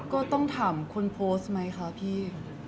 ก็ต้องถามคนโพสต์ไหมคะพี่